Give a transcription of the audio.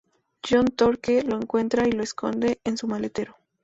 John Torque lo encuentra y lo esconde en su maletero.